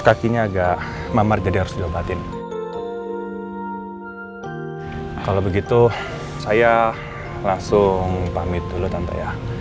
bikinnya agak mamar jadi harus dilobatin kalau begitu saya langsung pamit dulu tante ya